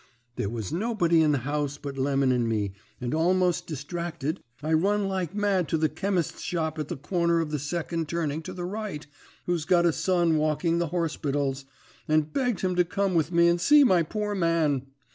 "There was nobody in the house but Lemon and me, and, almost distracted, I run like mad to the chemist's shop at the corner of the second turning to the right, who's got a son walking the horspitals, and begged him to come with me and see my poor man.